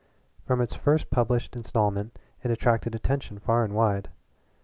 From its first published instalment it attracted attention far and wide.